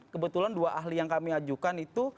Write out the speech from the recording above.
kebetulan dua ahli yang kami ajukan itu